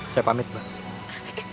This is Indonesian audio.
saya mau pergi